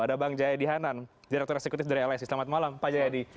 ada bang jayadi hanan direktur eksekutif dari lsi selamat malam pak jayadi